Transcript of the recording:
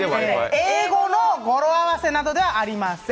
英語の語呂合わせなどではありません。